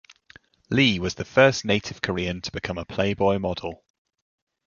Lee was the first native Korean to become a Playboy model.